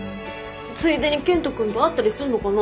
ついでに健人君と会ったりすんのかな？